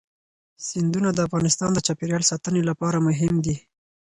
سیندونه د افغانستان د چاپیریال ساتنې لپاره مهم دي.